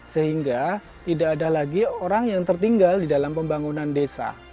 sehingga tidak ada lagi orang yang tertinggal di dalam pembangunan desa